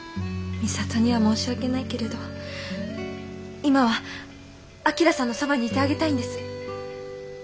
美里には申し訳ないけれど今は旭さんのそばにいてあげたいんです。